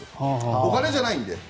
お金じゃないので。